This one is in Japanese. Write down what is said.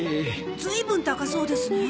ずいぶん高そうですね。